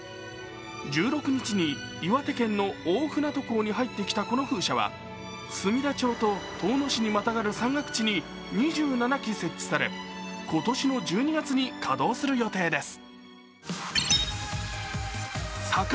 １６日に岩手県の大船渡港に入ってきたこの風車は、住田町と遠野市にまたがる山岳地に２７基設置され、今年の１２月に稼働する予定です。